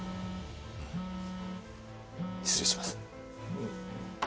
失礼します。